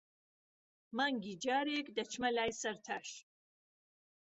مانگی جارێک، دەچمە لای سەرتاش.